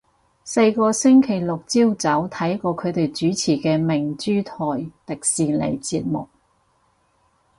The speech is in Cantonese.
細個星期六朝早睇過佢哋主持嘅明珠台迪士尼節目